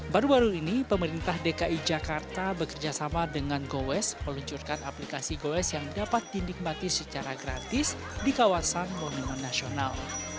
baru baru ini pemerintah dki jakarta bekerjasama dengan gowes meluncurkan aplikasi goes yang dapat dinikmati secara gratis di kawasan monumen nasional